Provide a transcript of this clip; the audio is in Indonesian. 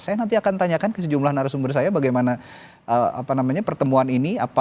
saya nanti akan tanyakan ke sejumlah narasumber saya bagaimana pertemuan ini